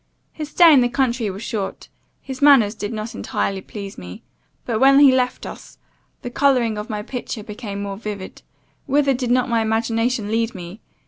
His stay in the country was short; his manners did not entirely please me; but, when he left us, the colouring of my picture became more vivid Whither did not my imagination lead me?